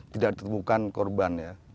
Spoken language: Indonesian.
tidak ditemukan korban ya